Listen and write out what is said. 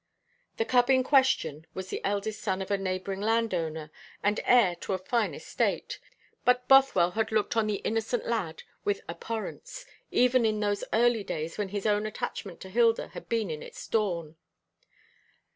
The cub in question was the eldest son of a neighbouring landowner, and heir to a fine estate; but Bothwell had looked on the innocent lad with abhorrence, even in those early days when his own attachment to Hilda had been in its dawn.